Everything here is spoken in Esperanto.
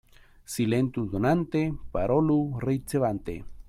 Silentu donante, parolu ricevante.